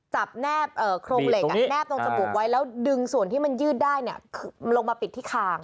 แนบโครงเหล็กแนบตรงจมูกไว้แล้วดึงส่วนที่มันยืดได้ลงมาปิดที่คาง